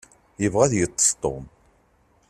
Yebɣa ad yeṭṭeṣ Tom.